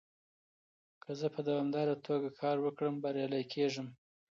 که زه په دوامداره توګه کار وکړم، بريالی کېږم.